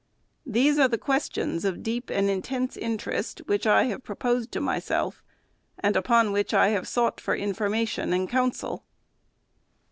These are the questions of deep and intense interest, which I have proposed to myself, and upon which I have sought for information and counsel.